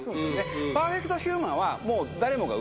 「パーフェクトヒューマン」は。